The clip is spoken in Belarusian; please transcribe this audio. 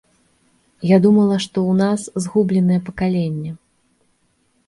Я думала, што ў нас згубленае пакаленне.